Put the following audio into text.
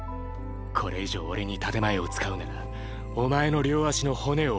これ以上俺に建て前を使うならお前の両脚の骨を折る。